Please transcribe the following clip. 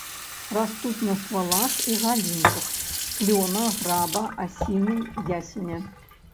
Растуць на ствалах і галінках клёна, граба, асіны, ясеня.